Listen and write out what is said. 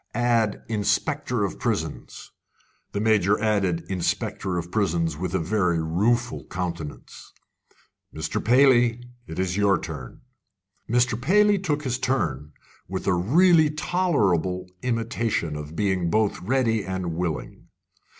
"Add 'Inspector of Prisons.'" The Major added "Inspector of Prisons," with a very rueful countenance. "Mr. Paley, it is your turn." Mr. Paley took his turn, with a really tolerable imitation of being both ready and willing.